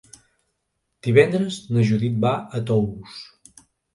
Divendres na Judit va a Tous.